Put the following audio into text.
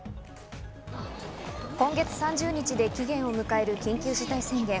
今月３０日で期限を迎える緊急事態宣言。